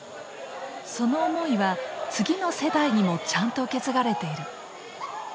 その思いは次の世代にもちゃんと受け継がれている。